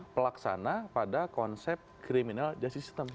pelaksana pada konsep criminal justice system